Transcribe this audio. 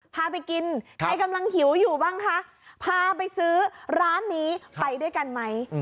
พาไปกินใครกำลังหิวอยู่บ้างคะพาไปซื้อร้านนี้ไปด้วยกันไหม